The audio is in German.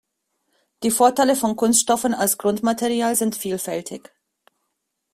Die Vorteile von Kunststoffen als Grundmaterial sind vielfältig.